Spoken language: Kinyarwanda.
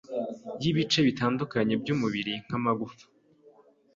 y’ibice bitandukanye by’umubiri nk’amagufa,